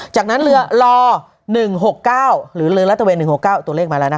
จากนั้นเรือล๑๖๙หรือเรือลัตเวน๑๖๙ตัวเลขมาแล้วนะคะ